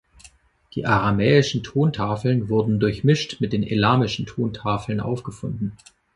Die aramäischen Tontafeln wurden durchmischt mit den elamischen Tontafeln aufgefunden.